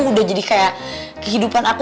udah jadi kayak kehidupan aku